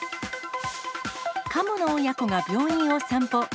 カモの親子が病院を散歩。